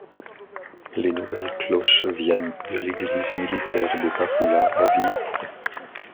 Les nouvelles cloches viennent de l'église militaire de Papula à Viipuri.